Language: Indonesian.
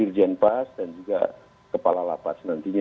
dirjen pas dan juga kepala lapas nantinya